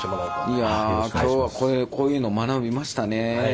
いや今日はこれこういうのを学びましたね。